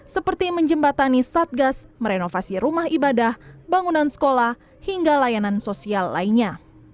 seperti menjembatani satgas merenovasi rumah ibadah bangunan sekolah hingga layanan sosial lainnya